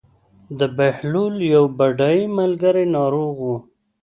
د بهلول یو بډای ملګری ناروغ و.